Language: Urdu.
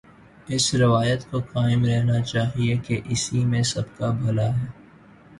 اس روایت کو قائم رہنا چاہیے کہ اسی میں سب کابھلا ہے۔